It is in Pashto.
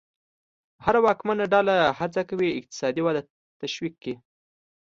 هره واکمنه ډله هڅه کوي چې اقتصادي وده تشویق کړي.